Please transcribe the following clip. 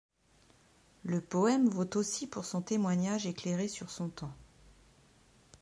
Le poème vaut aussi pour son témoignage éclairé sur son temps.